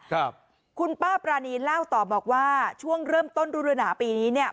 ครับคุณป้าปรานีเล่าต่อบอกว่าช่วงเริ่มต้นรูเรือหนาปีนี้เนี่ย